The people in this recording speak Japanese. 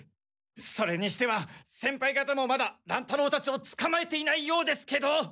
それにしては先輩がたもまだ乱太郎たちをつかまえていないようですけど。